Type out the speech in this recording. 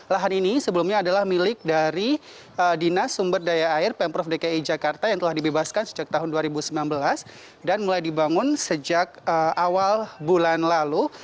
lahan ini sebelumnya adalah milik dari dinas sumber daya air pemprov dki jakarta yang telah dibebaskan sejak tahun dua ribu sembilan belas dan mulai dibangun sejak awal bulan lalu